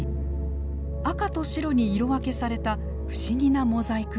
赤と白に色分けされた不思議なモザイク模様。